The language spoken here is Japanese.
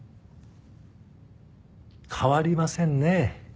変わりませんね。